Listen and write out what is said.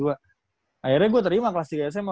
akhirnya gue terima kelas tiga sma